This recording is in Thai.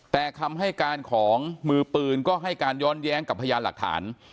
แต่คำให้การของมือปืนก็ให้การย้อนแย้งกับพยานหลักฐาน